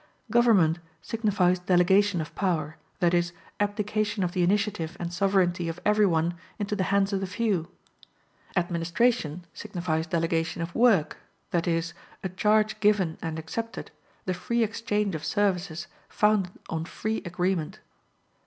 Government signifies delegation of power, that is, abdication of the initiative and sovereignty of every one into the hands of the few. Administration signifies delegation of work, that is, a charge given and accepted, the free exchange of services founded on free agreement.